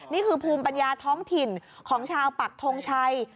นี่คือภูมิปัญญาท้องถิ่นของชาวปักทงชัย